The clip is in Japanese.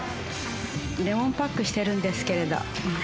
レモンパックしてるんですけれど。